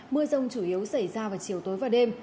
mưa rông chủ yếu xảy ra vào chiều tối và đêm